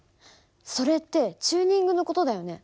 それってチューニングの事だよね？